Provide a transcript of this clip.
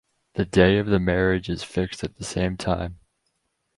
The day of the marriage is fixed at the same time.